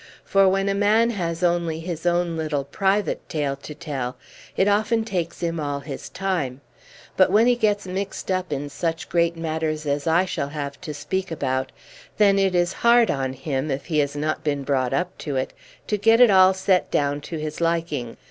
For when a man has only his own little private tale to tell, it often takes him all his time; but when he gets mixed up in such great matters as I shall have to speak about, then it is hard on him, if he has not been brought up to it, to get it all set down to his liking.